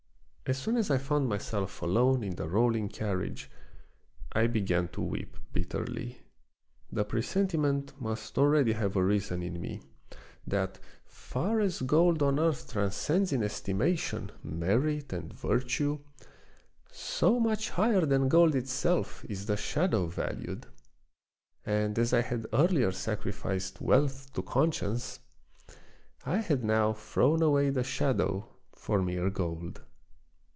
As soon as I found myself alone in the rolling carriage I began to weep bitterly. The presenti ment must already have arisen in me that far as gold on earth transcends in estimation merit and of Peter Schlemihl. 17 virtue, so much higher than gold itself is the shadow valued ; and as I had earlier sacrificed wealth to conscience, I had now thrown away the shadow for mere gold.